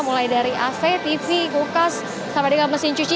mulai dari ac tv kulkas sampai dengan mesin cuci